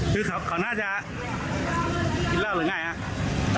คือเขาน่าจะกินเหล้าหรือไงครับ